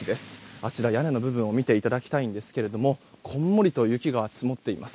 あちら、屋根の部分を見ていただきたいんですけれどもこんもりと雪が積もっています。